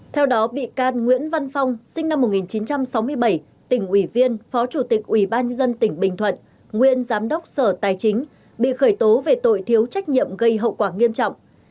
theo đó bị can nguyễn văn phong sinh năm một nghìn chín trăm sáu mươi bảy tỉnh ủy viên phó chủ tịch ủy ban nhân dân tỉnh bình thuận nguyên giám đốc sở tài chính bị khởi tố về tội thiếu trách nhiệm gây hậu quả nghiêm trọng